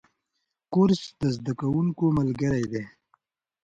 کورس د زده کوونکو ملګری دی.